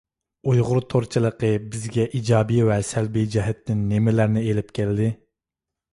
ئۇيغۇر تورچىلىقى بىزگە ئىجابىي ۋە سەلبىي جەھەتتىن نېمىلەرنى ئېلىپ كەلدى؟